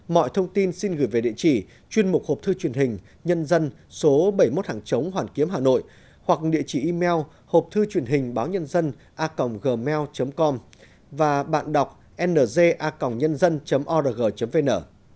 mọi thông tin xin gửi về địa chỉ chuyên mục hộp thư truyền hình nhân dân số bảy mươi một hàng chống hoàn kiếm hà nội hoặc địa chỉ email hộp thư truyền hình báo nhân dân a gmail com và bạn đọc nza gân dân org vn